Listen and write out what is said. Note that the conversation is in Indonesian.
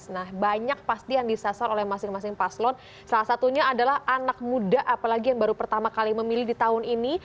nah banyak pasti yang disasar oleh masing masing paslon salah satunya adalah anak muda apalagi yang baru pertama kali memilih di tahun ini